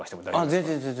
全然全然。